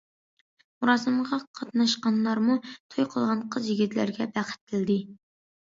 مۇراسىمغا قاتناشقانلارمۇ توي قىلغان قىز- يىگىتلەرگە بەخت تىلىدى.